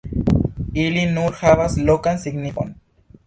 Ili nur havas lokan signifon.